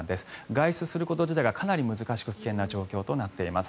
外出すること自体がかなり難しく危険な状況となっています。